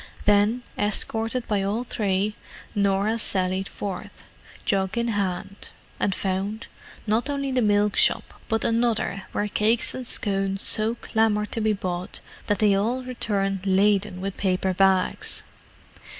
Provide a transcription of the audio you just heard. Then, escorted by all three, Norah sallied forth, jug in hand, and found, not only the milk shop, but another where cakes and scones so clamoured to be bought that they all returned laden with paper bags.